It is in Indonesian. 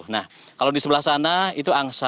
nah kalau di sebelah sana itu angsa